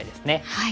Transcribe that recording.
はい。